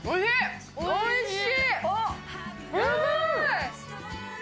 おいしい！